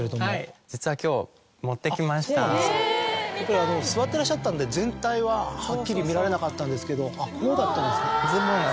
そうなんですかやっぱり座ってらっしゃったんで全体ははっきり見られなかったんですけどこうだったんですね。